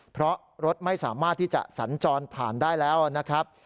เพราะรถไม่สามารถที่จะสัญจรผ่านได้แล้วนะครับ